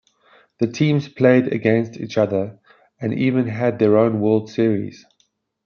The teams played against each other and even had their own "World Series".